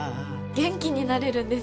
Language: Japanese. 元気になれるんです。